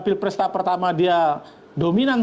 pilpres tahap pertama dia dominan